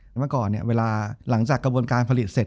แล้วเมื่อก่อนเนี่ยเวลาหลังจากกระบวนการผลิตเสร็จ